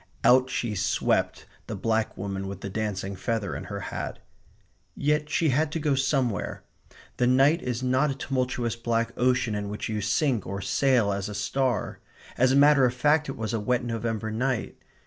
Out she swept, the black woman with the dancing feather in her hat. Yet she had to go somewhere. The night is not a tumultuous black ocean in which you sink or sail as a star. As a matter of fact it was a wet November night.